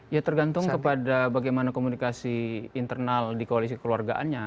ya tergantung kepada bagaimana komunikasi internal di koalisi keluargaannya